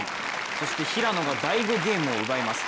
そして平野が第５ゲームを奪います。